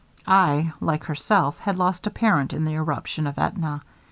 I, like herself, had lost a parent in the eruption of AEtna.